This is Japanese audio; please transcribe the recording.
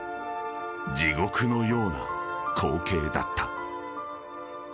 ［地獄のような光景だった］